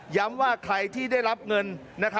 ย้ำว่าใครที่ได้รับเงินนะครับ